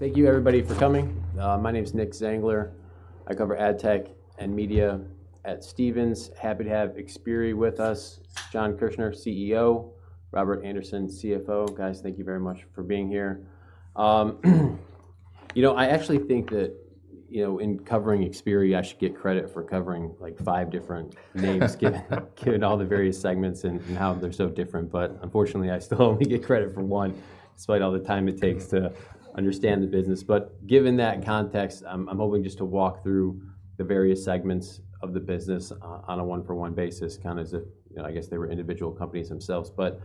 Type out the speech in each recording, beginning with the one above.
Thank you everybody for coming. My name is Nick Zangler. I cover AdTech and media at Stephens. Happy to have Xperi with us. Jon Kirchner, CEO. Robert Andersen, CFO. Guys, thank you very much for being here. You know, I actually think that, you know, in covering Xperi, I should get credit for covering, like, five different names, given all the various segments and how they're so different. But unfortunately, I still only get credit for one, despite all the time it takes to understand the business. But given that context, I'm hoping just to walk through the various segments of the business on a one-for-one basis, kind of as if, you know, I guess they were individual companies themselves. But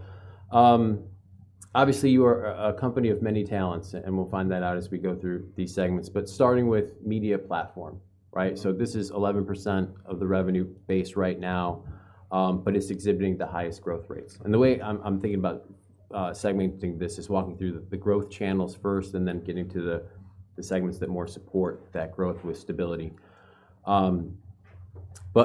obviously you are a company of many talents, and we'll find that out as we go through these segments. Starting with media platform, right? This is 11% of the revenue base right now, but it's exhibiting the highest growth rates. The way I'm thinking about segmenting this is walking through the growth channels first and then getting to the segments that more support that growth with stability.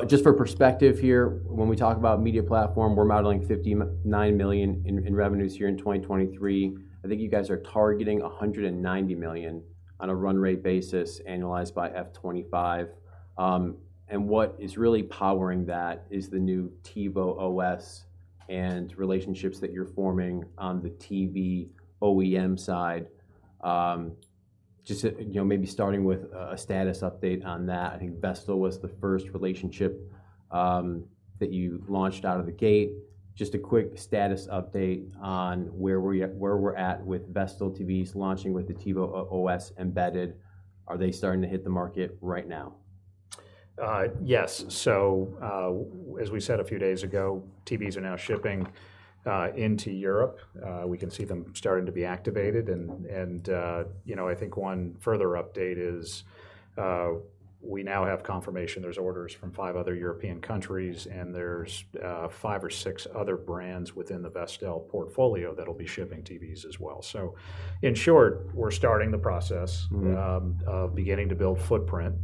Just for perspective here, when we talk about media platform, we're modeling $59 million in revenues here in 2023. I think you guys are targeting $190 million on a run rate basis, annualized by FY25. And what is really powering that is the new TiVo OS and relationships that you're forming on the TV OEM side. Just to, you know, maybe starting with a status update on that, I think Vestel was the first relationship that you launched out of the gate. Just a quick status update on where we're at, where we're at with Vestel TVs launching with the TiVo OS embedded. Are they starting to hit the market right now? Yes. So, as we said a few days ago, TVs are now shipping into Europe. We can see them starting to be activated, and, you know, I think one further update is, we now have confirmation there's orders from five other European countries, and there's five or six other brands within the Vestel portfolio that'll be shipping TVs as well. So in short, we're starting the process- Mm-hmm... of beginning to build footprint.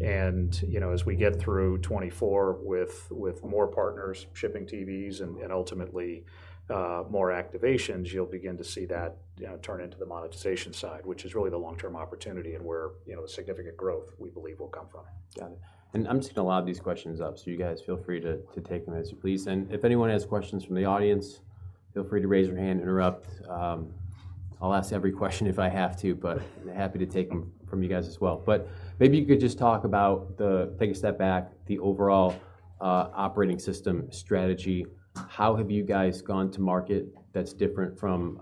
And, you know, as we get through 2024 with more partners shipping TVs and ultimately more activations, you'll begin to see that, you know, turn into the monetization side, which is really the long-term opportunity and where, you know, significant growth, we believe, will come from. Got it. And I'm just gonna allow these questions up, so you guys feel free to, to take them as you please. And if anyone has questions from the audience, feel free to raise your hand, interrupt. I'll ask every question if I have to, but happy to take them from you guys as well. But maybe you could just talk about the... take a step back, the overall operating system strategy. How have you guys gone to market that's different from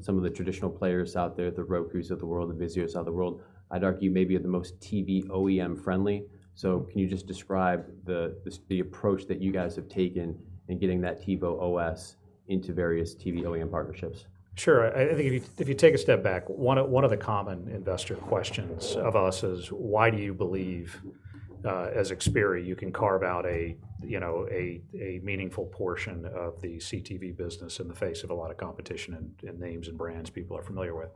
some of the traditional players out there, the Rokus of the world, the Vizios of the world? I'd argue maybe you're the most TV OEM-friendly. So can you just describe the approach that you guys have taken in getting that TiVo OS into various TV OEM partnerships? Sure. I think if you take a step back, one of the common investor questions of us is: Why do you believe, as Xperi, you can carve out a, you know, a meaningful portion of the CTV business in the face of a lot of competition and names and brands people are familiar with?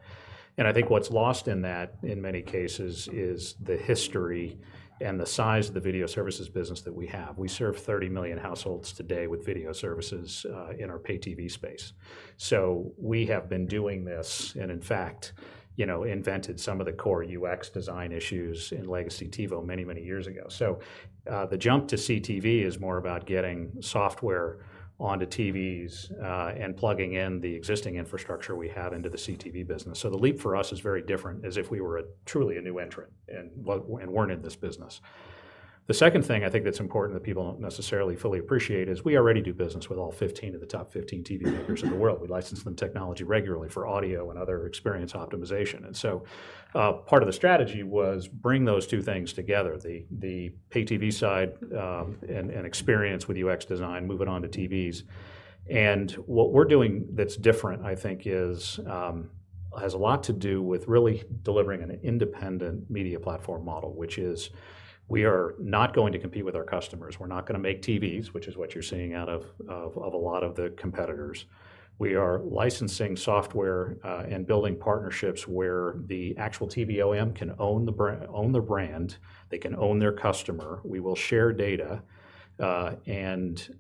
And I think what's lost in that, in many cases, is the history and the size of the video services business that we have. We serve 30 million households today with video services in our pay TV space. So we have been doing this and, in fact, you know, invented some of the core UX design issues in legacy TiVo many, many years ago. So, the jump to CTV is more about getting software onto TVs, and plugging in the existing infrastructure we have into the CTV business. So the leap for us is very different, as if we were truly a new entrant and weren't in this business. The second thing I think that's important that people don't necessarily fully appreciate is we already do business with all 15 of the top 15 TV makers in the world. We license them technology regularly for audio and other experience optimization. And so, part of the strategy was bring those two things together, the pay TV side, and experience with UX design, move it onto TVs. What we're doing that's different, I think, is has a lot to do with really delivering an independent media platform model, which is we are not going to compete with our customers. We're not gonna make TVs, which is what you're seeing out of a lot of the competitors. We are licensing software and building partnerships where the actual TV OEM can own the brand, they can own their customer. We will share data, and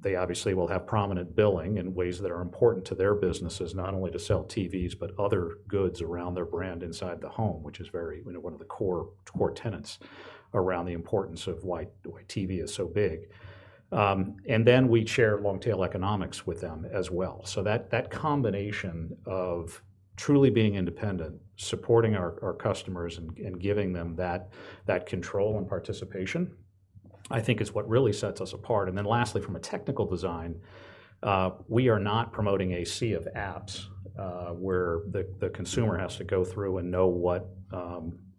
they obviously will have prominent billing in ways that are important to their businesses, not only to sell TVs, but other goods around their brand inside the home, which is very, you know, one of the core tenets around the importance of why TV is so big. And then we share long-tail economics with them as well. So that combination of truly being independent, supporting our customers, and giving them that control and participation, I think is what really sets us apart. And then lastly, from a technical design, we are not promoting a sea of apps, where the consumer has to go through and know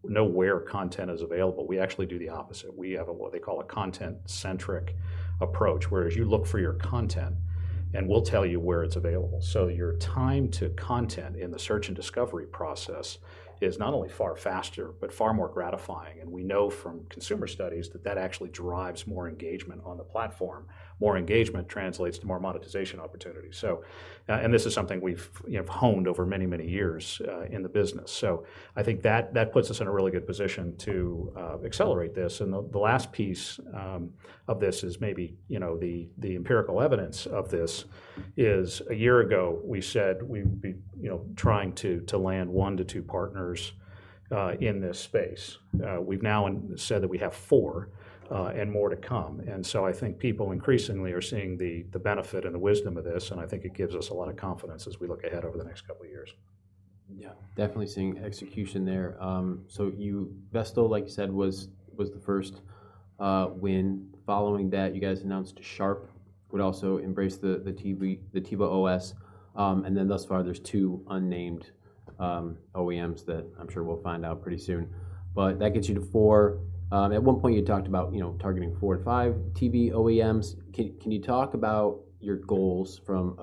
where content is available. We actually do the opposite. We have what they call a content-centric approach, where you look for your content, and we'll tell you where it's available. So your time to content in the search and discovery process is not only far faster but far more gratifying, and we know from consumer studies that that actually drives more engagement on the platform. More engagement translates to more monetization opportunities. So, and this is something we've, you know, honed over many, many years, in the business. So I think that, that puts us in a really good position to accelerate this. And the, the last piece of this is maybe, you know, the, the empirical evidence of this is: a year ago, we said we'd be, you know, trying to, to land 1-2 partners in this space. We've now announced that we have 4, and more to come. And so I think people increasingly are seeing the, the benefit and the wisdom of this, and I think it gives us a lot of confidence as we look ahead over the next couple of years.... Yeah, definitely seeing execution there. So you, Vestel, like you said, was the first win. Following that, you guys announced Sharp would also embrace the TiVo OS, and then thus far, there's two unnamed OEMs that I'm sure we'll find out pretty soon. But that gets you to four. At one point, you talked about, you know, targeting four to five TV OEMs. Can you talk about your goals from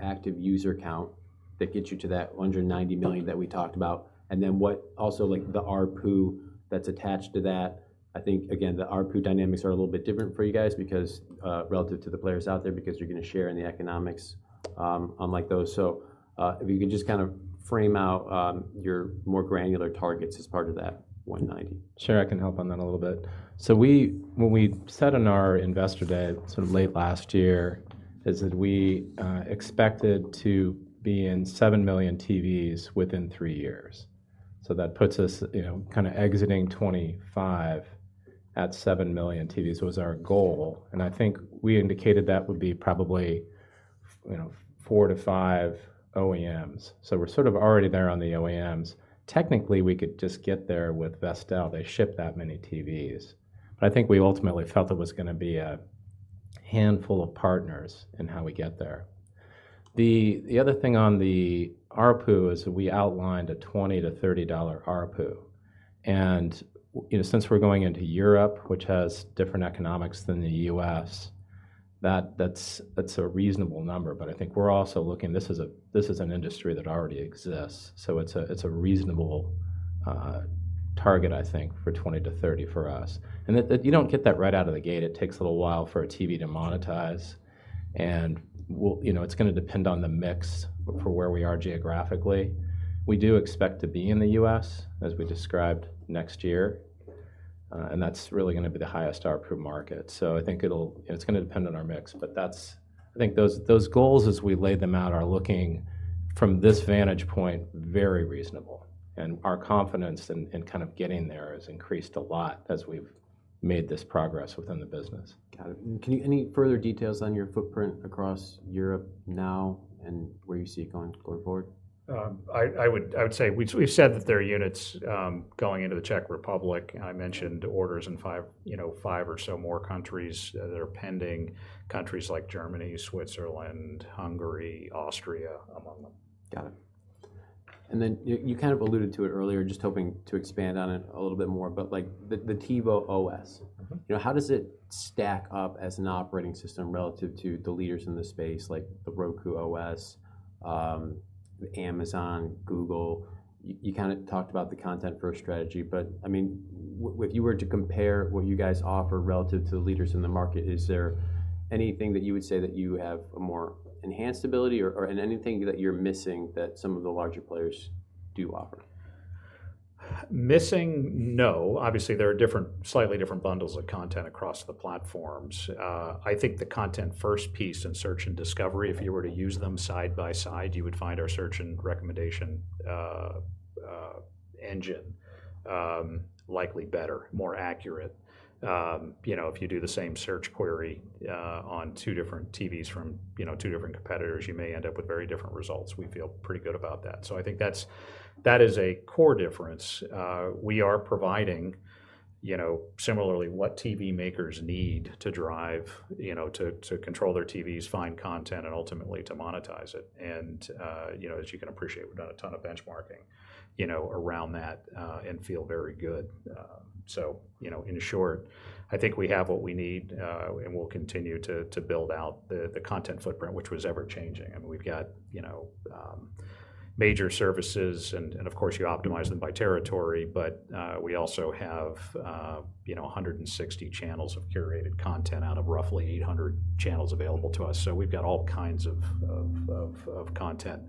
active user count that gets you to that hundred ninety million that we talked about? And then what also, like, the ARPU that's attached to that. I think, again, the ARPU dynamics are a little bit different for you guys because, relative to the players out there, because you're gonna share in the economics, unlike those. So, if you could just kind of frame out your more granular targets as part of that $190. Sure, I can help on that a little bit. So when we said on our Investor Day, sort of late last year, is that we expected to be in 7 million TVs within 3 years. So that puts us, you know, kinda exiting 2025 at 7 million TVs was our goal, and I think we indicated that would be probably, you know, 4-5 OEMs. So we're sort of already there on the OEMs. Technically, we could just get there with Vestel. They ship that many TVs. But I think we ultimately felt it was gonna be a handful of partners in how we get there. The other thing on the ARPU is that we outlined a $20-$30 ARPU. And you know, since we're going into Europe, which has different economics than the U.S., that's a reasonable number. But I think we're also looking. This is an industry that already exists, so it's a reasonable target, I think, for 20-30 for us. And that you don't get that right out of the gate. It takes a little while for a TV to monetize, and you know, it's gonna depend on the mix for where we are geographically. We do expect to be in the US, as we described, next year, and that's really gonna be the highest ARPU market. So I think it'll. And it's gonna depend on our mix, but that's- I think those goals, as we laid them out, are looking, from this vantage point, very reasonable. And our confidence in kind of getting there has increased a lot as we've made this progress within the business. Got it. Any further details on your footprint across Europe now and where you see it going forward? I would say we've said that there are units going into the Czech Republic. I mentioned orders in five, you know, five or so more countries that are pending. Countries like Germany, Switzerland, Hungary, Austria, among them. Got it. And then you kind of alluded to it earlier, just hoping to expand on it a little bit more, but, like, the TiVo OS. Mm-hmm. You know, how does it stack up as an operating system relative to the leaders in the space, like the Roku OS, Amazon, Google? You kinda talked about the content first strategy, but, I mean, if you were to compare what you guys offer relative to the leaders in the market, is there anything that you would say that you have a more enhanced ability or, or anything that you're missing that some of the larger players do offer? Missing, no. Obviously, there are different, slightly different bundles of content across the platforms. I think the content first piece and search and discovery, if you were to use them side by side, you would find our search and recommendation engine likely better, more accurate. You know, if you do the same search query on two different TVs from, you know, two different competitors, you may end up with very different results. We feel pretty good about that. So I think that's, that is a core difference. We are providing, you know, similarly, what TV makers need to drive, you know, to control their TVs, find content, and ultimately to monetize it. And you know, as you can appreciate, we've done a ton of benchmarking, you know, around that, and feel very good. So, you know, in short, I think we have what we need, and we'll continue to build out the content footprint, which was ever-changing. I mean, we've got, you know, major services, and of course, you optimize them by territory, but we also have, you know, 160 channels of curated content out of roughly 800 channels available to us. We've got all kinds of content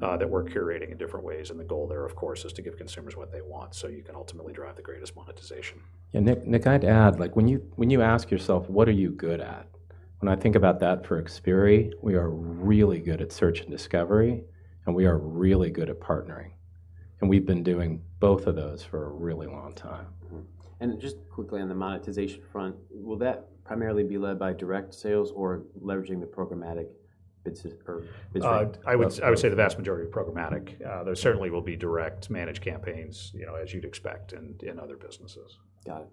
that we're curating in different ways, and the goal there, of course, is to give consumers what they want, so you can ultimately drive the greatest monetization. Nick, Nick, I'd add, like, when you, when you ask yourself: What are you good at? When I think about that for Xperi, we are really good at search and discovery, and we are really good at partnering, and we've been doing both of those for a really long time. Mm-hmm. Just quickly on the monetization front, will that primarily be led by direct sales or leveraging the programmatic bids or bid stream? I would say the vast majority are programmatic. There certainly will be direct managed campaigns, you know, as you'd expect in other businesses. Got it.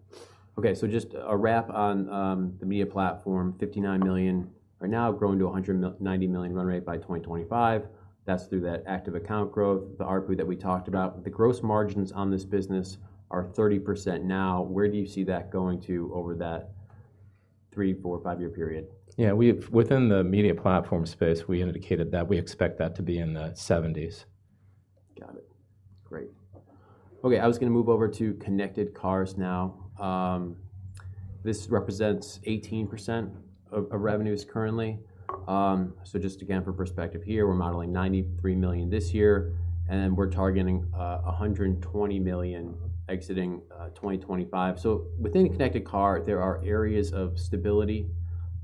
Okay, so just a wrap on the media platform. 59 million are now growing to 90 million run rate by 2025. That's through that active account growth, the ARPU that we talked about. The gross margins on this business are 30% now. Where do you see that going to over that 3, 4, 5-year period? Yeah, we've within the media platform space, we indicated that we expect that to be in the seventies. Got it. Great. Okay, I was gonna move over to Connected Cars now. This represents 18% of revenues currently. So just again, for perspective here, we're modeling $93 million this year, and we're targeting $120 million exiting 2025. So within Connected Car, there are areas of stability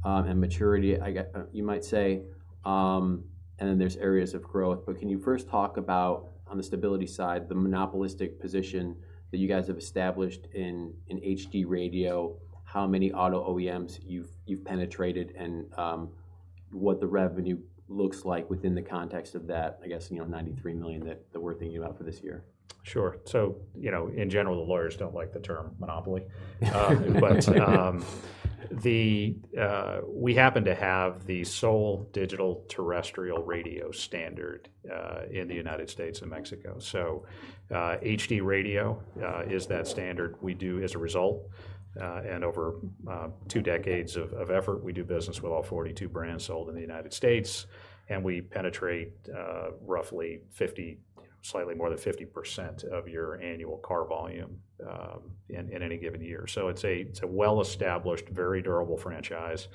and maturity, I guess you might say, and then there's areas of growth. But can you first talk about, on the stability side, the monopolistic position that you guys have established in HD Radio, how many auto OEMs you've penetrated, and what the revenue looks like within the context of that, I guess, you know, $93 million that we're thinking about for this year. Sure. So, you know, in general, the lawyers don't like the term monopoly. But we happen to have the sole digital terrestrial radio standard in the United States and Mexico. So, HD Radio is that standard. We do, as a result, and over two decades of effort, we do business with all 42 brands sold in the United States, and we penetrate roughly 50%, slightly more than 50% of your annual car volume in any given year. So it's a well-established, very durable franchise,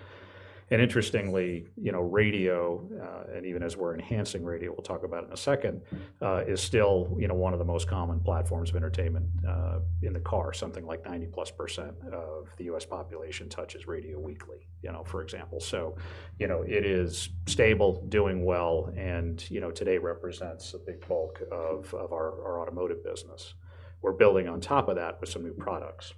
and interestingly, you know, radio, and even as we're enhancing radio, we'll talk about in a second, is still, you know, one of the most common platforms of entertainment in the car. Something like 90%+ of the U.S. population touches radio weekly, you know, for example. You know, it is stable, doing well, and, you know, today represents a big bulk of our automotive business. We're building on top of that with some new products,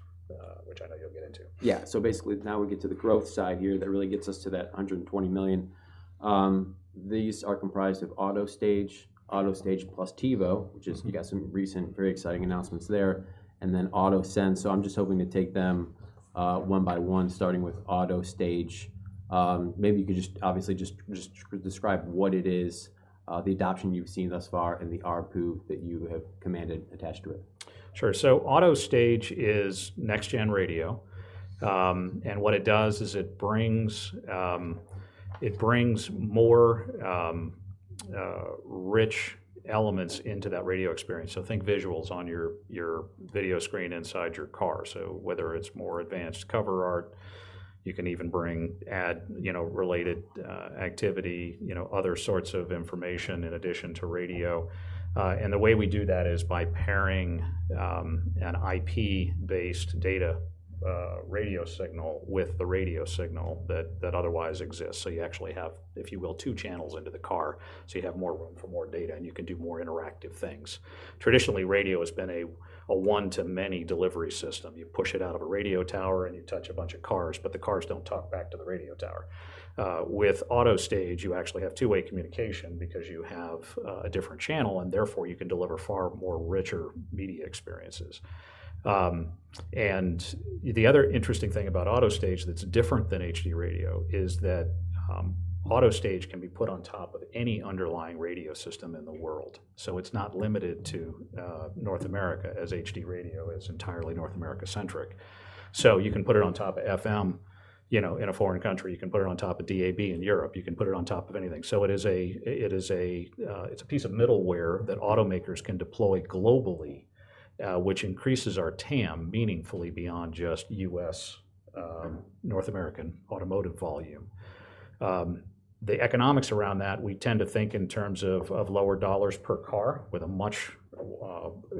which I know you'll get into. Yeah. So basically, now we get to the growth side here that really gets us to that $120 million. These are comprised of AutoStage, AutoStage plus TiVo- Mm-hmm. which is, you got some recent very exciting announcements there, and then AutoSense. So I'm just hoping to take them one by one, starting with AutoStage. Maybe you could just obviously just describe what it is, the adoption you've seen thus far and the ARPU that you have commanded attached to it. Sure. So AutoStage is next-gen radio, and what it does is it brings it brings more rich elements into that radio experience, so think visuals on your your video screen inside your car. So whether it's more advanced cover art, you can even bring ad, you know, related activity, you know, other sorts of information in addition to radio. And the way we do that is by pairing an IP-based data radio signal with the radio signal that otherwise exists. So you actually have, if you will, two channels into the car, so you have more room for more data, and you can do more interactive things. Traditionally, radio has been a one-to-many delivery system. You push it out of a radio tower, and you touch a bunch of cars, but the cars don't talk back to the radio tower. With AutoStage, you actually have two-way communication because you have a different channel, and therefore, you can deliver far more richer media experiences. And the other interesting thing about AutoStage that's different than HD Radio is that AutoStage can be put on top of any underlying radio system in the world. So it's not limited to North America, as HD Radio is entirely North America-centric. So you can put it on top of FM, you know, in a foreign country. You can put it on top of DAB in Europe. You can put it on top of anything. So it's a piece of middleware that automakers can deploy globally, which increases our TAM meaningfully beyond just U.S. North American automotive volume. The economics around that, we tend to think in terms of, of lower dollars per car with a much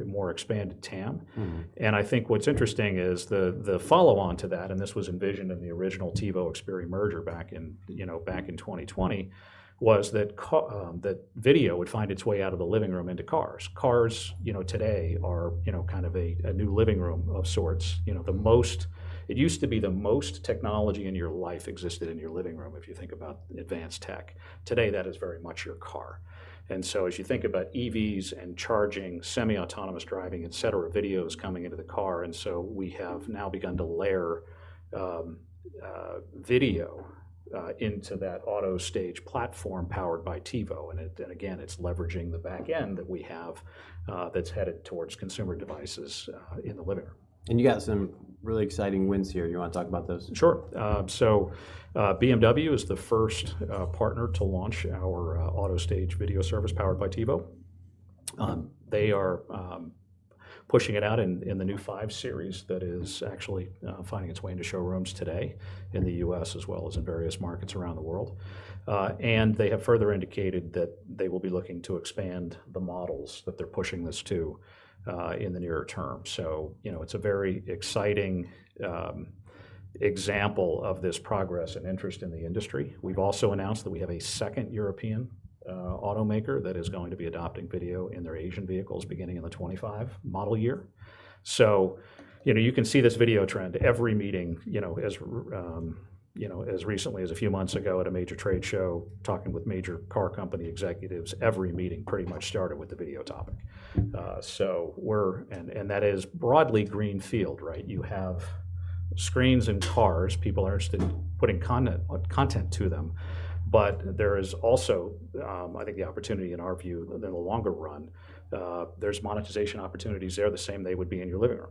more expanded TAM. Mm-hmm. And I think what's interesting is the follow-on to that, and this was envisioned in the original TiVo-Xperi merger back in, you know, back in 2020, was that video would find its way out of the living room into cars. Cars, you know, today are, you know, kind of a new living room of sorts. You know, the most. It used to be the most technology in your life existed in your living room, if you think about advanced tech. Today, that is very much your car. And so as you think about EVs and charging, semi-autonomous driving, et cetera, video is coming into the car, and so we have now begun to layer video into that AutoStage platform powered by TiVo. And again, it's leveraging the back end that we have that's headed towards consumer devices in the living room. You got some really exciting wins here. You wanna talk about those? Sure. So, BMW is the first partner to launch our AutoStage video service powered by TiVo. They are pushing it out in the new 5 Series that is actually finding its way into showrooms today. Mm. in the US, as well as in various markets around the world. And they have further indicated that they will be looking to expand the models that they're pushing this to, in the nearer term. So, you know, it's a very exciting example of this progress and interest in the industry. We've also announced that we have a second European automaker that is going to be adopting video in their Asian vehicles beginning in the 2025 model year. So, you know, you can see this video trend. Every meeting, you know, as recently as a few months ago at a major trade show, talking with major car company executives, every meeting pretty much started with the video topic. So we're... And that is broadly greenfield, right? You have screens in cars. People are interested in putting content to them, but there is also, I think the opportunity in our view, in the longer run, there's monetization opportunities there, the same they would be in your living room.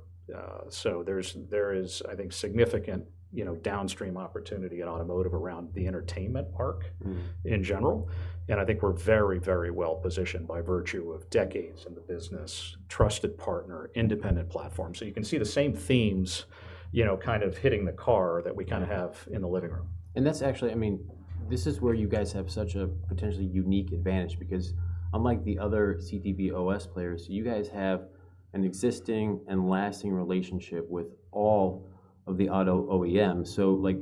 So there is, I think, significant, you know, downstream opportunity in automotive around the entertainment arc- Mm. in general, and I think we're very, very well-positioned by virtue of decades in the business, trusted partner, independent platform. So you can see the same themes, you know, kind of hitting the car that we- Mm... kinda have in the living room. That's actually... I mean, this is where you guys have such a potentially unique advantage because unlike the other CTV OS players, you guys have an existing and lasting relationship with all of the auto OEMs. So, like,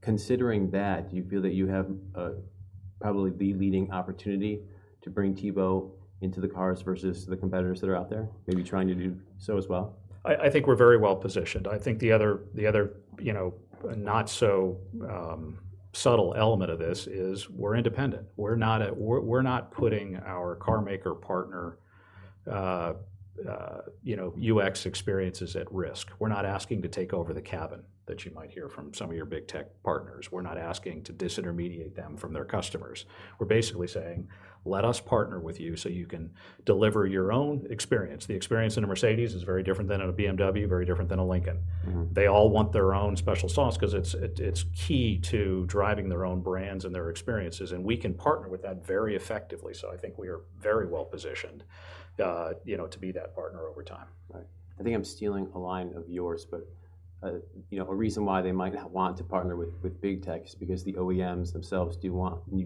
considering that, do you feel that you have probably the leading opportunity to bring TiVo into the cars versus the competitors that are out there, maybe trying to do so as well? I think we're very well positioned. I think the other, you know, not so subtle element of this is we're independent. We're not putting our car maker partner, you know, UX experiences at risk. We're not asking to take over the cabin, that you might hear from some of your Big Tech partners. We're not asking to disintermediate them from their customers. We're basically saying: Let us partner with you, so you can deliver your own experience. The experience in a Mercedes is very different than in a BMW, very different than a Lincoln. Mm-hmm. They all want their own special sauce 'cause it's key to driving their own brands and their experiences, and we can partner with that very effectively. So I think we are very well positioned, you know, to be that partner over time. Right. I think I'm stealing a line of yours, but, you know, a reason why they might not want to partner with Big Tech is because the OEMs themselves do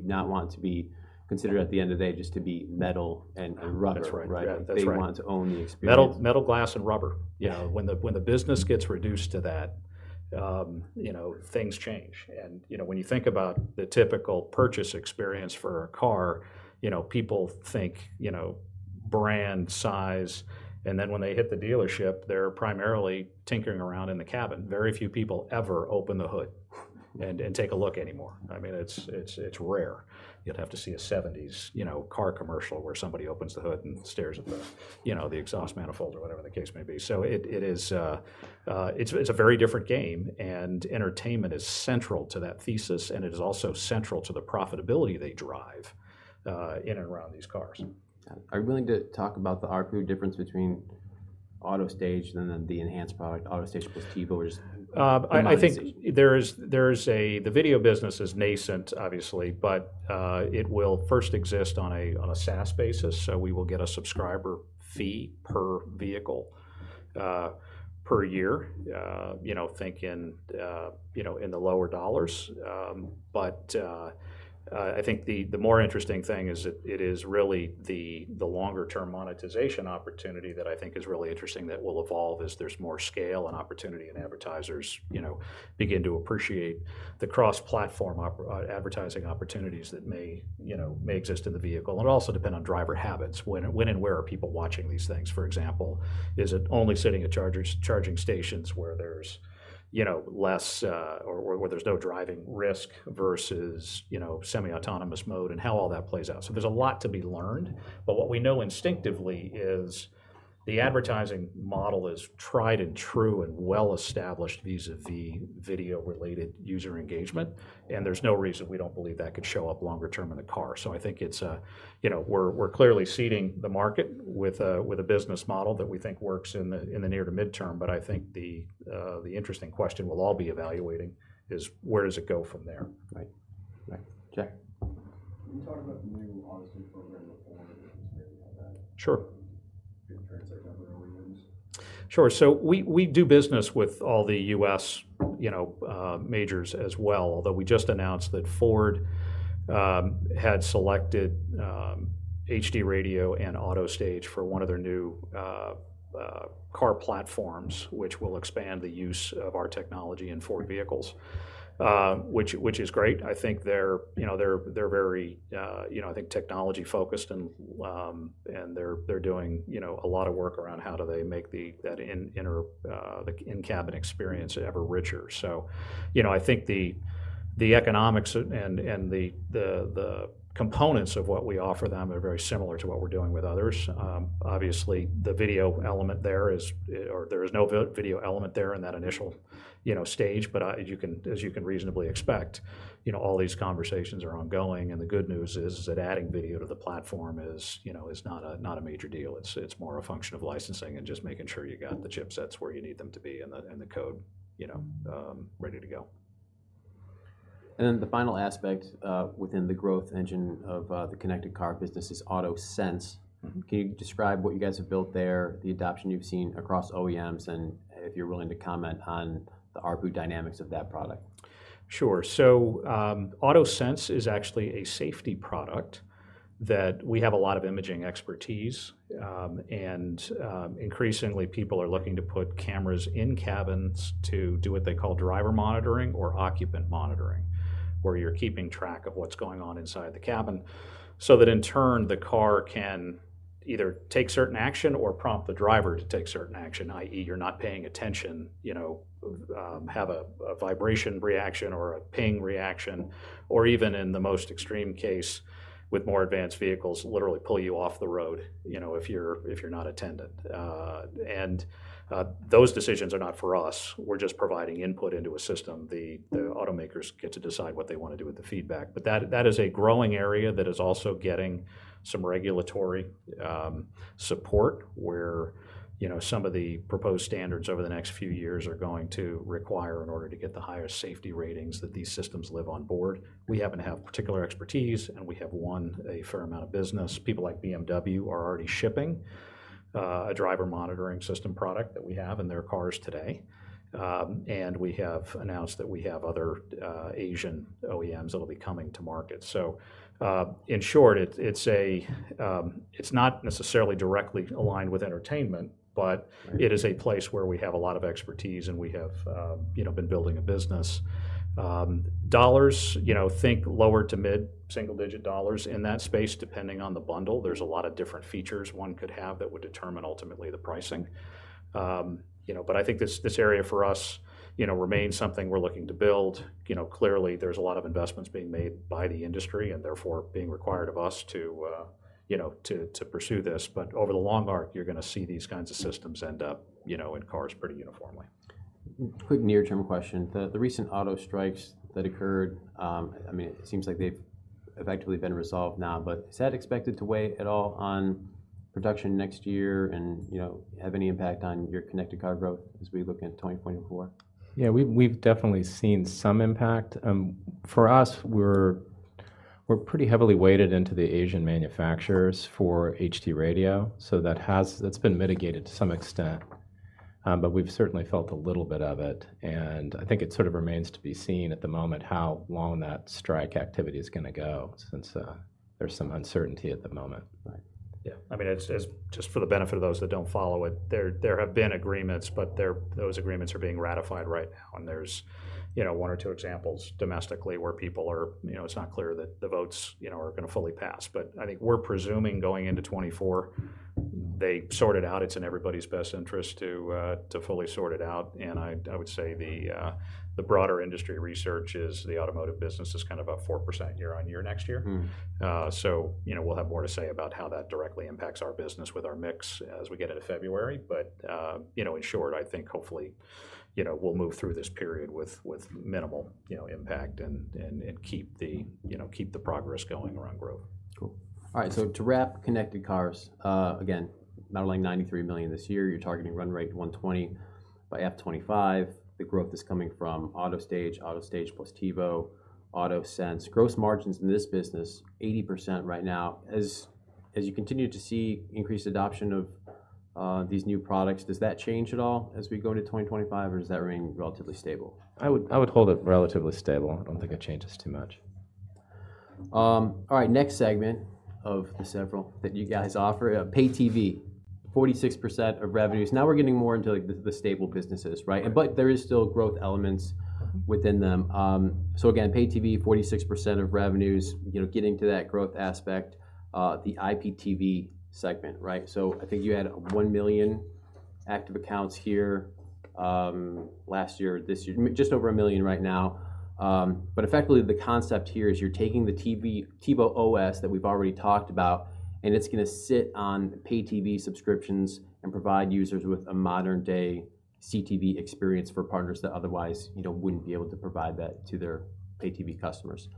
not want to be considered at the end of the day just to be metal and rubber. That's right. Right? That's right. They want to own the experience. Metal, metal, glass, and rubber. Yeah. You know, when the business gets reduced to that, you know, things change. You know, when you think about the typical purchase experience for a car, you know, people think, you know, brand, size, and then when they hit the dealership, they're primarily tinkering around in the cabin. Very few people ever open the hood and take a look anymore. I mean, it's rare. You'd have to see a seventies car commercial where somebody opens the hood and stares at the, you know, the exhaust manifold or whatever the case may be. So it is a very different game, and entertainment is central to that thesis, and it is also central to the profitability they drive in and around these cars. Are you willing to talk about the ARPU difference between AutoStage and then the enhanced product, AutoStage plus TiVo, or just, the monetization? I think there is the video business is nascent, obviously, but it will first exist on a SaaS basis, so we will get a subscriber fee per vehicle per year. You know, think in, you know, in the lower dollars. But I think the more interesting thing is that it is really the longer term monetization opportunity that I think is really interesting, that will evolve as there's more scale and opportunity, and advertisers, you know, begin to appreciate the cross-platform advertising opportunities that may, you know, exist in the vehicle. It'll also depend on driver habits, when and where are people watching these things? For example, is it only sitting at chargers, charging stations where there's, you know, less, or where there's no driving risk versus, you know, semi-autonomous mode, and how all that plays out? So there's a lot to be learned, but what we know instinctively is the advertising model is tried and true and well-established vis-a-vis video-related user engagement, and there's no reason we don't believe that could show up longer term in a car. So I think it's, you know, we're clearly seeding the market with a business model that we think works in the near to mid-term, but I think the interesting question we'll all be evaluating is where does it go from there? Right. Right. Jack. Can you talk about the new AutoStage program with Ford and everything like that? Sure. In terms of number of OEMs? Sure. So we do business with all the U.S. majors as well, although we just announced that Ford had selected HD Radio and AutoStage for one of their new car platforms, which will expand the use of our technology in Ford vehicles. Which is great. I think they're you know, they're very you know, I think technology-focused and they're doing you know, a lot of work around how do they make the in-cabin experience ever richer. So you know, I think the economics and the components of what we offer them are very similar to what we're doing with others. Obviously, the video element there is... or there is no video element there in that initial, you know, stage, but as you can reasonably expect, you know, all these conversations are ongoing, and the good news is that adding video to the platform is, you know, not a major deal. It's more a function of licensing and just making sure you got the chipsets where you need them to be, and the code, you know, ready to go. The final aspect within the growth engine of the connected car business is AutoSense. Mm-hmm. Can you describe what you guys have built there, the adoption you've seen across OEMs, and if you're willing to comment on the ARPU dynamics of that product? Sure. So, AutoSense is actually a safety product that we have a lot of imaging expertise, and increasingly, people are looking to put cameras in cabins to do what they call driver monitoring or occupant monitoring, where you're keeping track of what's going on inside the cabin, so that in turn, the car can either take certain action or prompt the driver to take certain action, i.e., you're not paying attention, you know, have a vibration reaction or a ping reaction, or even in the most extreme case, with more advanced vehicles, literally pull you off the road, you know, if you're not attentive. Those decisions are not for us. We're just providing input into a system. The automakers get to decide what they wanna do with the feedback. But that is a growing area that is also getting some regulatory support, where, you know, some of the proposed standards over the next few years are going to require, in order to get the highest safety ratings, that these systems live on board. We happen to have particular expertise, and we have won a fair amount of business. People like BMW are already shipping a driver monitoring system product that we have in their cars today. And we have announced that we have other Asian OEMs that'll be coming to market. So, in short, it's a... it's not necessarily directly aligned with entertainment- Right ... but it is a place where we have a lot of expertise, and we have, you know, been building a business. Dollars, you know, think lower- to mid-single-digit dollars in that space, depending on the bundle. There's a lot of different features one could have that would determine ultimately the pricing. But I think this area for us, you know, remains something we're looking to build. You know, clearly, there's a lot of investments being made by the industry and therefore being required of us to, you know, to pursue this, but over the long arc, you're gonna see these kinds of systems end up, you know, in cars pretty uniformly.... Quick near-term question. The recent auto strikes that occurred, I mean, it seems like they've effectively been resolved now, but is that expected to weigh at all on production next year and, you know, have any impact on your connected car growth as we look into 2024? Yeah, we've definitely seen some impact. For us, we're pretty heavily weighted into the Asian manufacturers for HD Radio, so that's been mitigated to some extent. But we've certainly felt a little bit of it, and I think it sort of remains to be seen at the moment how long that strike activity is gonna go since there's some uncertainty at the moment. Right. Yeah. I mean, it's just for the benefit of those that don't follow it, there have been agreements, but they're—those agreements are being ratified right now. And there's, you know, one or two examples domestically where people are, you know, it's not clear that the votes, you know, are gonna fully pass. But I think we're presuming going into 2024, they sort it out. It's in everybody's best interest to fully sort it out. And I would say the broader industry research is the automotive business is kind of up 4% year-on-year next year. Mm. So, you know, we'll have more to say about how that directly impacts our business with our mix as we get into February. But, you know, in short, I think hopefully, you know, we'll move through this period with minimal, you know, impact and keep the—you know, keep the progress going around growth. Cool. All right. So to wrap connected cars, again, modeling $93 million this year, you're targeting run rate $120 million by FY2025. The growth is coming from AutoStage, AutoStage plus TiVo, AutoSense. Gross margins in this business, 80% right now. As you continue to see increased adoption of these new products, does that change at all as we go into 2025, or does that remain relatively stable? I would, I would hold it relatively stable. I don't think it changes too much. All right, next segment of the several that you guys offer, pay TV, 46% of revenues. Now we're getting more into, like, the stable businesses, right? Right. But there is still growth elements within them. So again, pay TV, 46% of revenues, you know, getting to that growth aspect, the IPTV segment, right? So I think you had 1 million active accounts here, last year. This year, just over a million right now. But effectively, the concept here is you're taking the TiVo OS that we've already talked about, and it's gonna sit on pay TV subscriptions and provide users with a modern-day CTV experience for partners that otherwise, you know, wouldn't be able to provide that to their pay TV customers.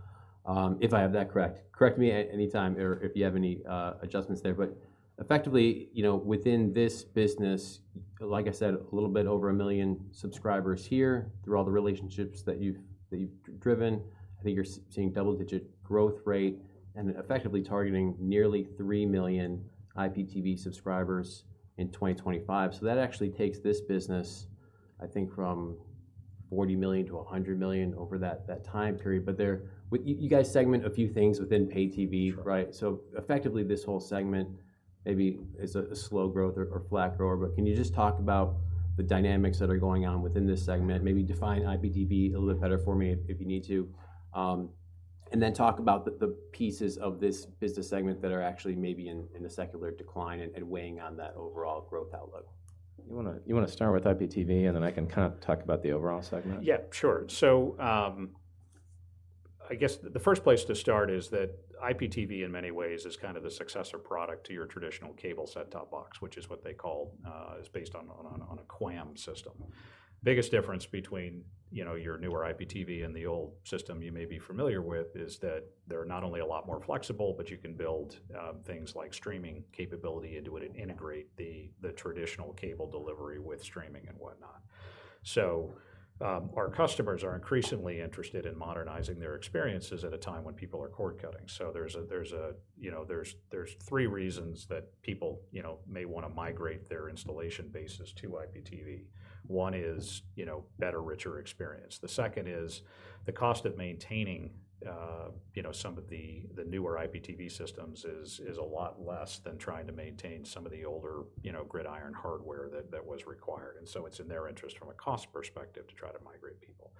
If I have that correct. Correct me at any time or if you have any, adjustments there. But effectively, you know, within this business, like I said, a little bit over a million subscribers here through all the relationships that you've, that you've driven. I think you're seeing double-digit growth rate and effectively targeting nearly 3 million IPTV subscribers in 2025. So that actually takes this business, I think, from $40 million to $100 million over that, that time period. But there... you, you guys segment a few things within pay TV- Sure. -right? So effectively, this whole segment maybe is a slow growth or flat grower. But can you just talk about the dynamics that are going on within this segment? Maybe define IPTV a little better for me if you need to. And then talk about the pieces of this business segment that are actually maybe in a secular decline and weighing on that overall growth outlook. You wanna start with IPTV, and then I can kind of talk about the overall segment? Yeah, sure. So, I guess the first place to start is that IPTV, in many ways, is kind of the successor product to your traditional cable set-top box, which is what they call is based on a QAM system. Biggest difference between, you know, your newer IPTV and the old system you may be familiar with is that they're not only a lot more flexible, but you can build things like streaming capability into it and integrate the traditional cable delivery with streaming and whatnot. So, our customers are increasingly interested in modernizing their experiences at a time when people are cord-cutting. So there's, you know, three reasons that people, you know, may wanna migrate their installation bases to IPTV. One is, you know, better, richer experience. The second is the cost of maintaining, you know, some of the newer IPTV systems is a lot less than trying to maintain some of the older, you know, big iron hardware that was required. And so it's in their interest from a cost perspective to try to migrate people.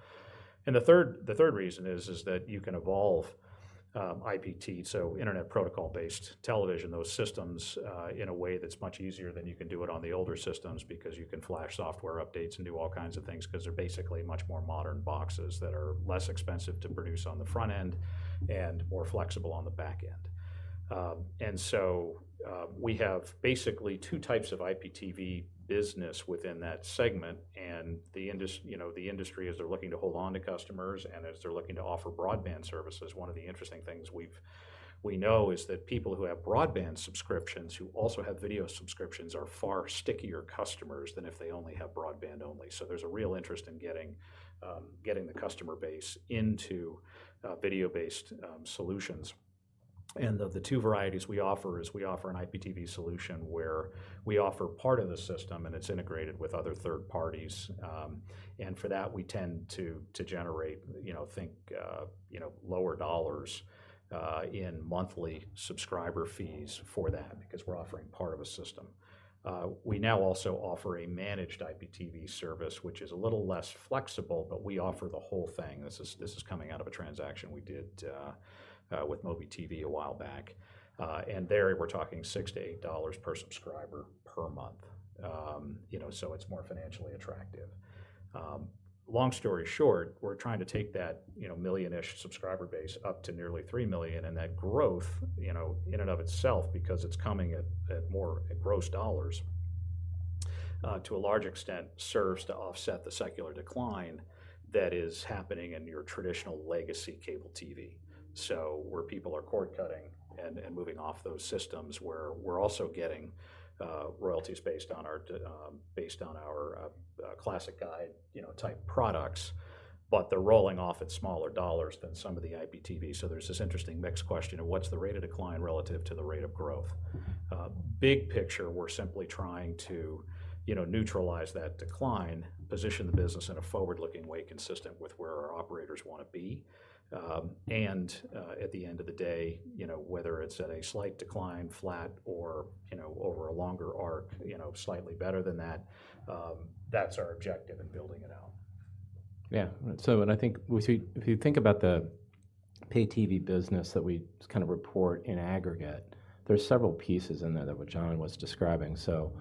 And the third reason is that you can evolve IPTV, so internet protocol-based television, those systems in a way that's much easier than you can do it on the older systems because you can flash software updates and do all kinds of things, 'cause they're basically much more modern boxes that are less expensive to produce on the front end and more flexible on the back end. And so, we have basically two types of IPTV business within that segment, and the industry, you know, as they're looking to hold on to customers and as they're looking to offer broadband services, one of the interesting things we know is that people who have broadband subscriptions, who also have video subscriptions, are far stickier customers than if they only have broadband only. So there's a real interest in getting, getting the customer base into, video-based, solutions. And the two varieties we offer is we offer an IPTV solution where we offer part of the system, and it's integrated with other third parties. And for that, we tend to, to generate, you know, think, you know, lower dollars, in monthly subscriber fees for that because we're offering part of a system. We now also offer a managed IPTV service, which is a little less flexible, but we offer the whole thing. This is coming out of a transaction we did with MobiTV a while back. And there, we're talking $6-$8 per subscriber per month. You know, so it's more financially attractive. Long story short, we're trying to take that, you know, 1 million-ish subscriber base up to nearly 3 million, and that growth, you know, in and of itself, because it's coming at more gross dollars to a large extent, serves to offset the secular decline that is happening in your traditional legacy cable TV. So where people are cord-cutting and moving off those systems, where we're also getting royalties based on our classic guide, you know, type products, but they're rolling off at smaller dollars than some of the IPTV. So there's this interesting mixed question of what's the rate of decline relative to the rate of growth? Big picture, we're simply trying to, you know, neutralize that decline, position the business in a forward-looking way, consistent with where our operators wanna be. And at the end of the day, you know, whether it's at a slight decline, flat, or, you know, over a longer arc, you know, slightly better than that, that's our objective in building it out. Yeah. So and I think if you think about the pay TV business that we kind of report in aggregate, there's several pieces in there that what John was describing. So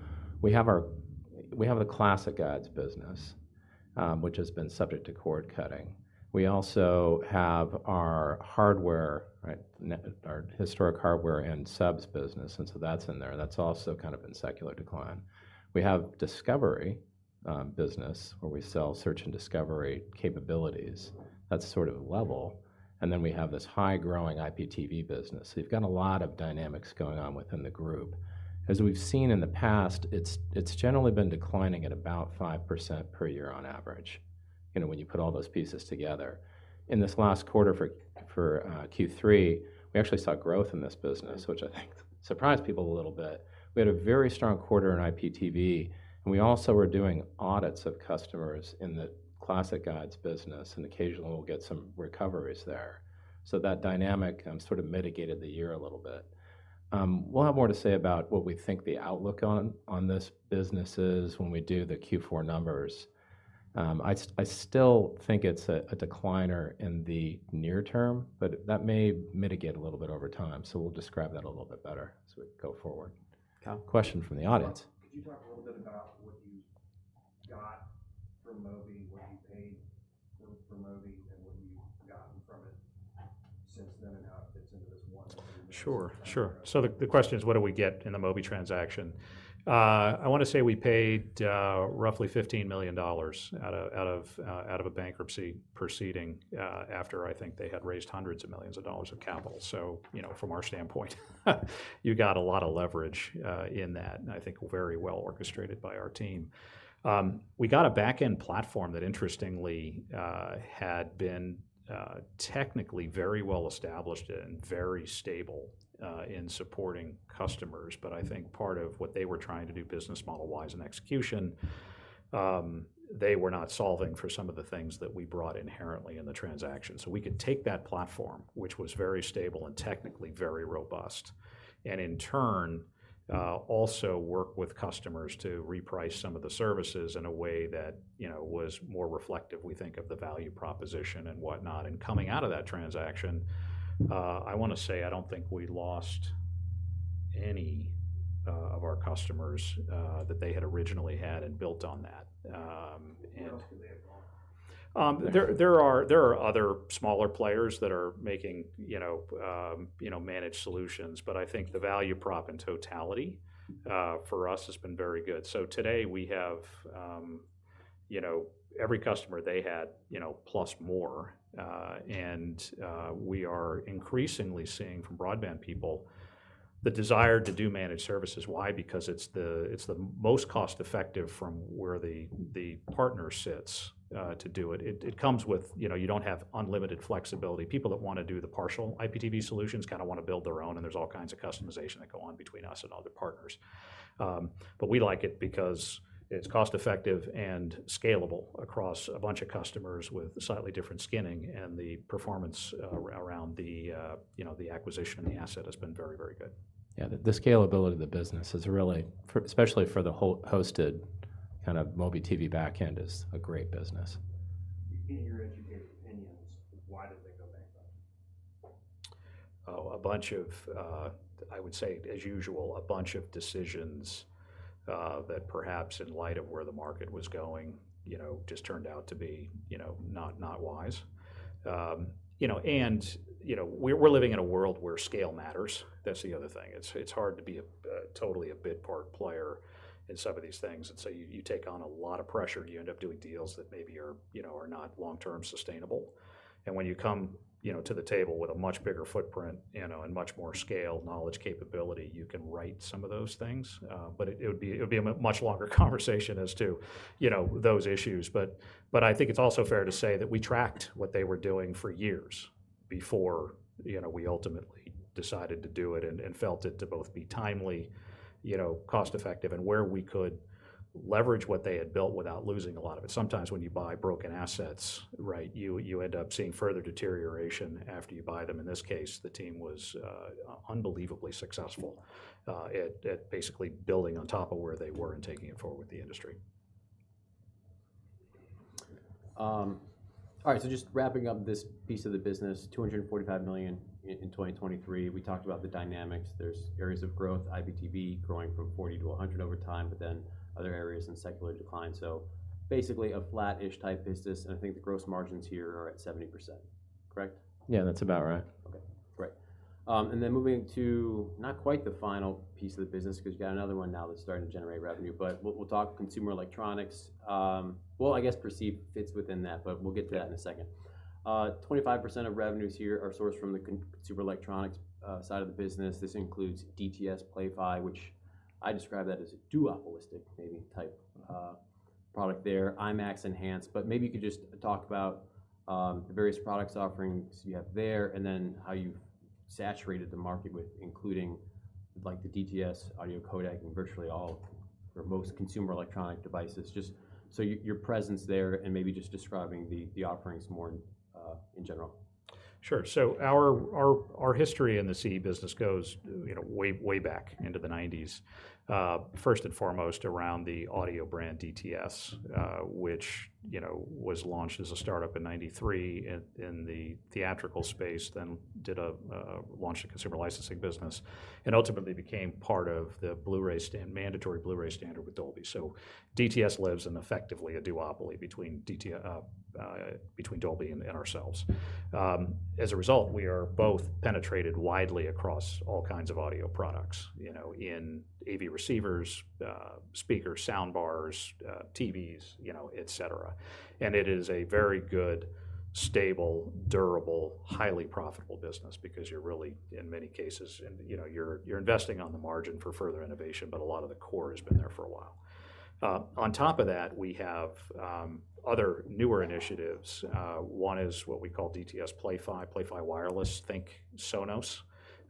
we have the classic guides business, which has been subject to cord-cutting. We also have our hardware, right? Our historic hardware and subs business, and so that's in there. That's also kind of in secular decline. We have discovery business, where we sell search and discovery capabilities. That's sort of level. And then we have this high-growing IPTV business. So you've got a lot of dynamics going on within the group. As we've seen in the past, it's generally been declining at about 5% per year on average, you know, when you put all those pieces together. In this last quarter Q3, we actually saw growth in this business, which I think surprised people a little bit. We had a very strong quarter in IPTV, and we also were doing audits of customers in the classic guides business, and occasionally we'll get some recoveries there. So that dynamic sort of mitigated the year a little bit. We'll have more to say about what we think the outlook on this business is when we do the Q4 numbers. I still think it's a decliner in the near term, but that may mitigate a little bit over time. So we'll describe that a little bit better as we go forward. Yeah. Question from the audience. Could you talk a little bit about what you got from Mobi, what you paid for Mobi, and what you've gotten from it since then, and how it fits into this one- Sure, sure.... So the question is, what do we get in the Mobi transaction? I wanna say we paid roughly $15 million out of a bankruptcy proceeding after I think they had raised hundreds of millions of dollars of capital. So, you know, from our standpoint, you got a lot of leverage in that, and I think very well orchestrated by our team. We got a backend platform that interestingly had been technically very well established and very stable in supporting customers. But I think part of what they were trying to do business model-wise and execution, they were not solving for some of the things that we brought inherently in the transaction. So we could take that platform, which was very stable and technically very robust, and in turn, also work with customers to reprice some of the services in a way that, you know, was more reflective, we think, of the value proposition and whatnot. And coming out of that transaction, I wanna say, I don't think we lost any of our customers that they had originally had and built on that, and- Who else do they have going? There are other smaller players that are making, you know, you know, managed solutions. But I think the value prop in totality, for us has been very good. So today we have, you know, every customer they had, you know, plus more. And we are increasingly seeing from broadband people the desire to do managed services. Why? Because it's the most cost-effective from where the partner sits to do it. It comes with... You know, you don't have unlimited flexibility. People that wanna do the partial IPTV solutions kind of wanna build their own, and there's all kinds of customization that go on between us and other partners. But we like it because it's cost-effective and scalable across a bunch of customers with slightly different skinning, and the performance around the, you know, the acquisition and the asset has been very, very good. Yeah, the scalability of the business is really for, especially for the hosted kind of MobiTV backend, is a great business. In your educated opinions, why did they go bankrupt? Oh, a bunch of, I would say, as usual, a bunch of decisions that perhaps in light of where the market was going, you know, just turned out to be, you know, not, not wise. You know, and, you know, we're living in a world where scale matters. That's the other thing. It's hard to be a totally a bit part player in some of these things, and so you take on a lot of pressure, and you end up doing deals that maybe are, you know, are not long-term sustainable. And when you come, you know, to the table with a much bigger footprint, you know, and much more scale, knowledge, capability, you can right some of those things. But it would be a much longer conversation as to, you know, those issues. But I think it's also fair to say that we tracked what they were doing for years before, you know, we ultimately decided to do it and felt it to both be timely, you know, cost-effective, and where we could leverage what they had built without losing a lot of it. Sometimes when you buy broken assets, right, you end up seeing further deterioration after you buy them. In this case, the team was unbelievably successful at basically building on top of where they were and taking it forward with the industry.... All right, so just wrapping up this piece of the business, $245 million in 2023. We talked about the dynamics. There's areas of growth, IPTV growing from 40 to 100 over time, but then other areas in secular decline. So basically, a flat-ish type business, and I think the gross margins here are at 70%. Correct? Yeah, that's about right. Okay, great. And then moving to not quite the final piece of the business, 'cause you've got another one now that's starting to generate revenue, but we'll talk consumer electronics. Well, I guess Perceive fits within that, but we'll get to that in a second. 25% of revenues here are sourced from the consumer electronics side of the business. This includes DTS Play-Fi, which I describe that as a duopolistic maybe type product there, IMAX Enhanced. But maybe you could just talk about the various products offerings you have there, and then how you've saturated the market with including, like the DTS audio codec in virtually all or most consumer electronic devices. Just so your presence there, and maybe just describing the offerings more in general. Sure. So our history in the CE business goes, you know, way, way back into the 1990s. First and foremost, around the audio brand DTS, which, you know, was launched as a startup in 1993 in the theatrical space, then launched a consumer licensing business, and ultimately became part of the mandatory Blu-ray standard with Dolby. So DTS lives in effectively a duopoly between Dolby and ourselves. As a result, we are both penetrated widely across all kinds of audio products, you know, in AV receivers, speakers, sound bars, TVs, you know, et cetera. It is a very good, stable, durable, highly profitable business because you're really, in many cases, and, you know, you're investing on the margin for further innovation, but a lot of the core has been there for a while. On top of that, we have other newer initiatives. One is what we call DTS Play-Fi, Play-Fi Wireless, think Sonos,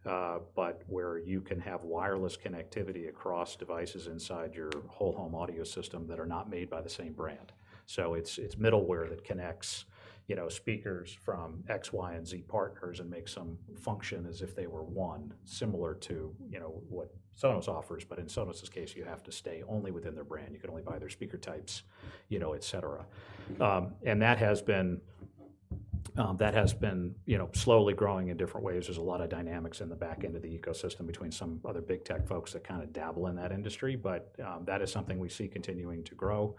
but where you can have wireless connectivity across devices inside your whole home audio system that are not made by the same brand. So it's middleware that connects, you know, speakers from X, Y, and Z partners and makes them function as if they were one, similar to, you know, what Sonos offers. But in Sonos's case, you have to stay only within their brand. You can only buy their speaker types, you know, et cetera. That has been, that has been, you know, slowly growing in different ways. There's a lot of dynamics in the back end of the ecosystem between some other Big Tech folks that kind of dabble in that industry. But that is something we see continuing to grow,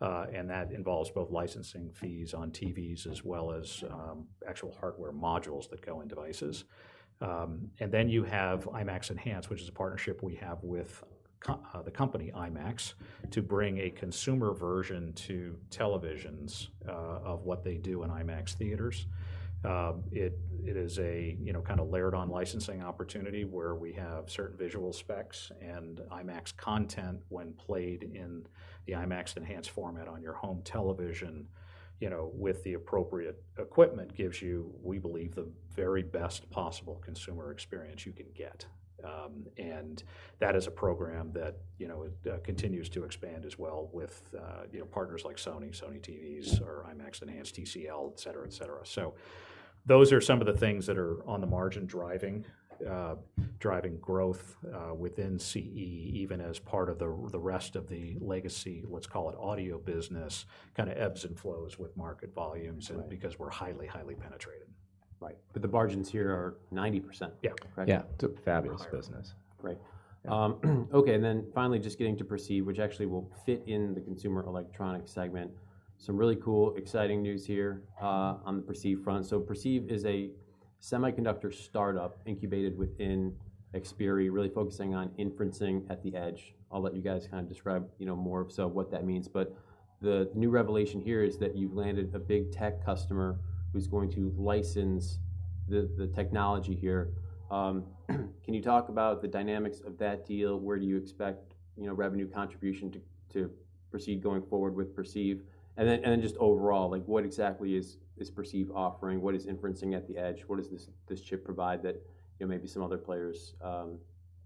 and that involves both licensing fees on TVs as well as actual hardware modules that go in devices. And then you have IMAX Enhanced, which is a partnership we have with the company IMAX, to bring a consumer version to televisions, of what they do in IMAX theaters. It is a, you know, kind of layered on licensing opportunity, where we have certain visual specs, and IMAX content when played in the IMAX Enhanced format on your home television, you know, with the appropriate equipment, gives you, we believe, the very best possible consumer experience you can get. And that is a program that, you know, continues to expand as well with, you know, partners like Sony, Sony TVs, or IMAX Enhanced, TCL, et cetera, et cetera. So those are some of the things that are on the margin driving growth within CE, even as part of the rest of the legacy, let's call it audio business, kind of ebbs and flows with market volumes- Right... and because we're highly, highly penetrated. Right. But the margins here are 90%. Yeah. Correct? Yeah. It's a fabulous business. Great. Okay, and then finally just getting to Perceive, which actually will fit in the consumer electronics segment. Some really cool, exciting news here, on the Perceive front. So Perceive is a semiconductor startup incubated within Xperi, really focusing on inferencing at the edge. I'll let you guys kind of describe, you know, more of so what that means. But the new revelation here is that you've landed a Big Tech customer who's going to license the technology here. Can you talk about the dynamics of that deal? Where do you expect, you know, revenue contribution to proceed going forward with Perceive? And then just overall, like, what exactly is Perceive offering? What is inferencing at the edge? What does this chip provide that, you know, maybe some other players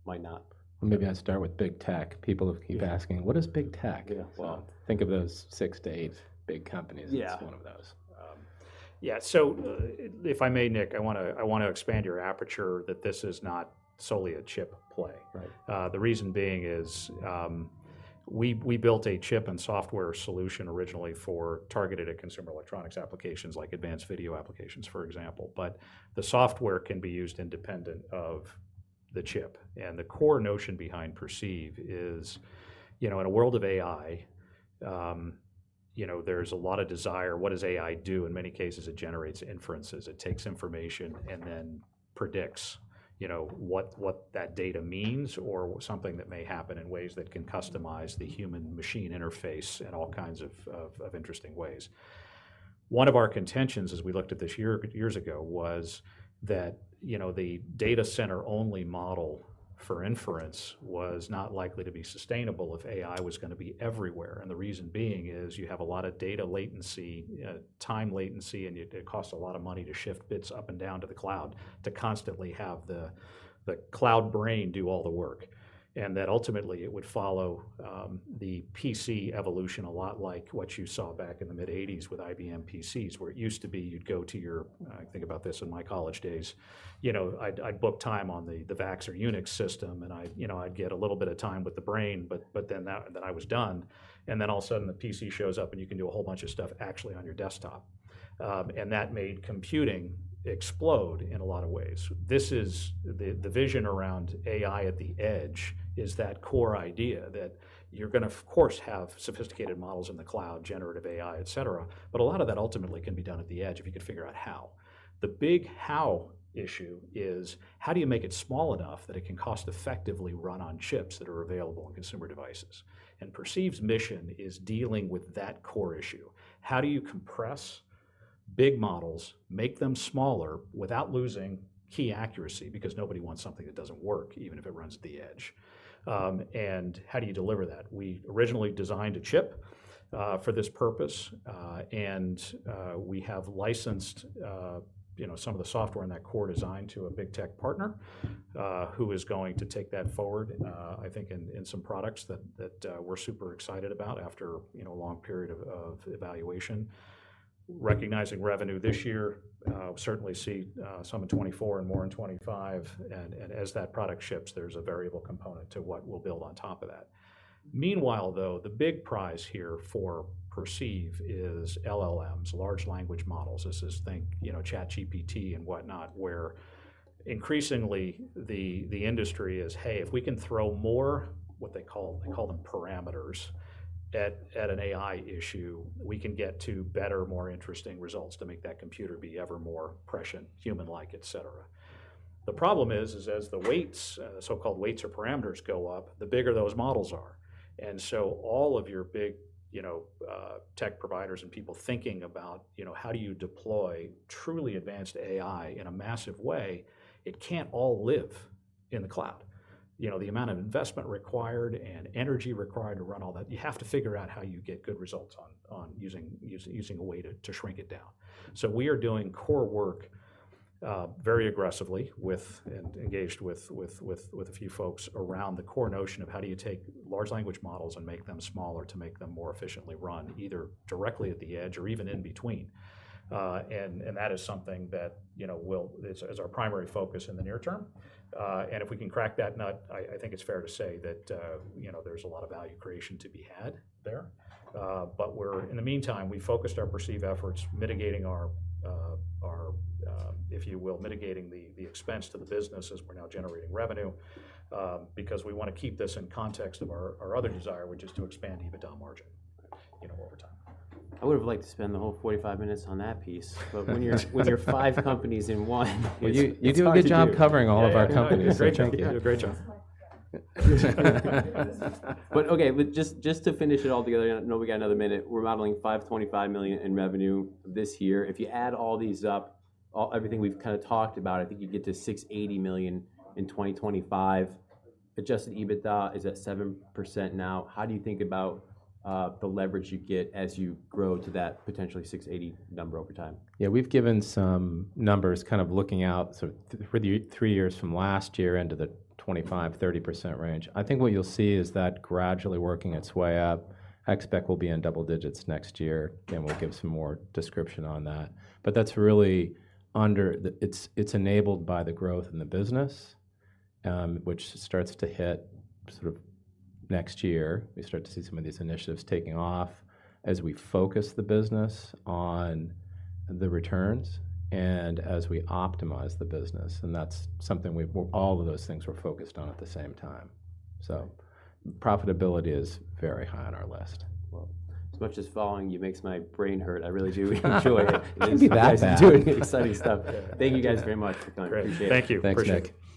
might not? Well, maybe I'll start with Big Tech. People keep asking, "What is Big Tech? Yeah. Well... Think of those six uncertain, big companies. Yeah. It's one of those. Yeah, so, if I may, Nick, I want to expand your aperture, that this is not solely a chip play. Right. The reason being is, we built a chip and software solution originally targeted at consumer electronics applications, like advanced video applications, for example, but the software can be used independent of the chip. The core notion behind Perceive is, you know, in a world of AI, you know, there's a lot of desire. What does AI do? In many cases, it generates inferences. It takes information- Right... and then predicts, you know, what that data means or something that may happen in ways that can customize the human-machine interface in all kinds of interesting ways. One of our contentions as we looked at this years ago, was that, you know, the data center-only model for inference was not likely to be sustainable if AI was gonna be everywhere. And the reason being is you have a lot of data latency, time latency, and it costs a lot of money to shift bits up and down to the cloud, to constantly have the cloud brain do all the work. And that ultimately it would follow the PC evolution a lot like what you saw back in the mid-'80s with IBM PCs, where it used to be you'd go to your... I think about this in my college days. You know, I'd book time on the VAX or Unix system, and I'd get a little bit of time with the brain, but then I was done. And then all of a sudden, the PC shows up, and you can do a whole bunch of stuff actually on your desktop. And that made computing explode in a lot of ways. This is the vision around AI at the edge is that core idea that you're gonna, of course, have sophisticated models in the cloud, generative AI, et cetera, but a lot of that ultimately can be done at the edge if you can figure out how. The big how issue is: how do you make it small enough that it can cost effectively run on chips that are available on consumer devices? And Perceive's mission is dealing with that core issue. How do you compress big models, make them smaller without losing key accuracy, because nobody wants something that doesn't work, even if it runs at the edge. And how do you deliver that? We originally designed a chip for this purpose, and we have licensed, you know, some of the software in that core design to a Big Tech partner, who is going to take that forward, I think in some products that we're super excited about after, you know, a long period of evaluation. Recognizing revenue this year, we certainly see some in 2024 and more in 2025, and as that product ships, there's a variable component to what we'll build on top of that. Meanwhile, though, the big prize here for Perceive is LLMs, large language models. This is, think, you know, ChatGPT and whatnot, where increasingly the industry is, "Hey, if we can throw more," what they call parameters, "at an AI issue, we can get to better, more interesting results to make that computer be ever more precise, human-like, et cetera." The problem is as the weights, the so-called weights or parameters go up, the bigger those models are. And so all of your big, you know, tech providers and people thinking about, you know, how do you deploy truly advanced AI in a massive way? It can't all live in the cloud. You know, the amount of investment required and energy required to run all that, you have to figure out how you get good results on using a way to shrink it down. So we are doing core work very aggressively and engaged with a few folks around the core notion of how do you take large language models and make them smaller to make them more efficiently run, either directly at the edge or even in between. And that is something that, you know, will... It's our primary focus in the near term. And if we can crack that nut, I think it's fair to say that, you know, there's a lot of value creation to be had there. But in the meantime, we've focused our Perceive efforts, if you will, mitigating the expense to the business as we're now generating revenue, because we wanna keep this in context of our other desire, which is to expand EBITDA margin, you know, over time. I would've liked to spend the whole 45 minutes on that piece-... but when you're, when you're five companies in one, it's- Well, you do a good job covering all of our companies. Yeah. Great job. You do a great job. But okay, but just, just to finish it all together, I know we got another minute. We're modeling $525 million in revenue this year. If you add all these up, all- everything we've kinda talked about, I think you get to $680 million in 2025. Adjusted EBITDA is at 7% now. How do you think about the leverage you get as you grow to that potentially $680 number over time? Yeah, we've given some numbers, kind of looking out, sort of the three years from last year into the 25%-30% range. I think what you'll see is that gradually working its way up. I expect we'll be in double digits next year, and we'll give some more description on that. But that's really under the... It's enabled by the growth in the business, which starts to hit sort of next year. We start to see some of these initiatives taking off as we focus the business on the returns and as we optimize the business, and that's something we've... All of those things we're focused on at the same time. So profitability is very high on our list. Well, as much as following you makes my brain hurt, I really do enjoy it. It can't be that bad. You're doing exciting stuff. Yeah. Thank you, guys, very much. Appreciate it. Thank you. Thanks, Nick.